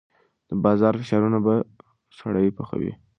د بازار فشارونه به سړی پخوي.